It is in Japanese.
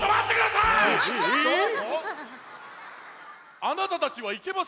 あなたたちはいけませんよ。